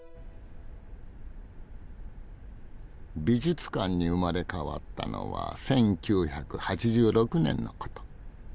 美術館に生まれ変わったのは１９８６年のこと。